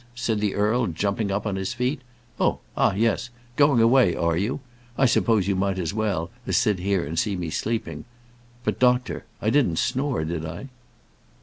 said the earl, jumping up on his feet. "Oh, ah, yes; going away, are you? I suppose you might as well, as sit here and see me sleeping. But, doctor I didn't snore, did I?"